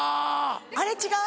あれ違う？